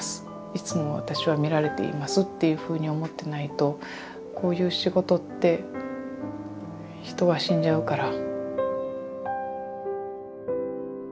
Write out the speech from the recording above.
いつも私は見られていますっていうふうに思ってないとこういう仕事って人は死んじゃうから。